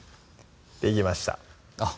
できましたあっ